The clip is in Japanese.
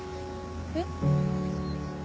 えっ？